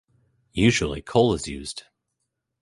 Usually, coal is used.